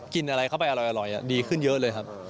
กินอะไรเข้าไปอร่อยดีขึ้นเยอะเลยครับ